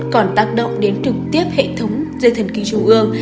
còn tác động đến trực tiếp hệ thống dây thần kinh trung ương